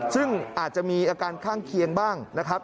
ซึ่งอาจจะมีอาการข้างเคียงบ้างนะครับ